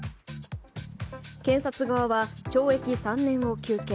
検察側は懲役３年を求刑。